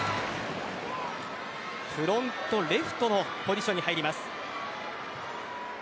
フロントレフトのポジションに入ります。